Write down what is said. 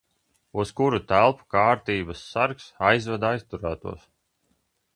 Uz kuru telpu kārtības sargs aizved aizturētos?